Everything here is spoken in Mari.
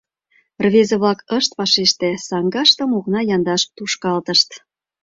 Рвезе-влак ышт вашеште, саҥгаштым окна яндаш тушкалтышт.